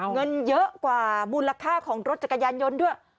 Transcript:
เงินเยอะกว่ามูลค่าของรถจักรยานยนต์ด้วย